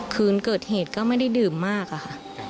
คืนเกิดเหตุก็ไม่ได้ดื่มมากอะค่ะ